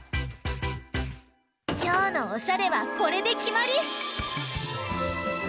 きょうのおしゃれはこれできまり！